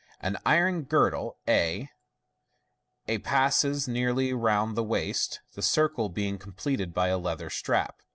An iron girdle, a a, passes nearly round the waist, the circle being completed by a leather strap.